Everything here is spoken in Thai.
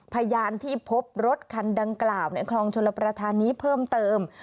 พยานที่พบรถคันดังกล่าวในคลองชลประธานนี้เพิ่มเติม